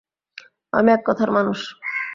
আমি এক কথার মানুষ।